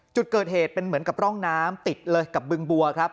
จุดเกิดเหตุเป็นเหมือนกับร่องน้ำติดเลยกับบึงบัวครับ